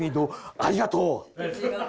ありがとう。